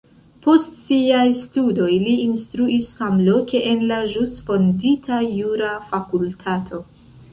Post siaj studoj li instruis samloke en la ĵus fondita jura fakultato.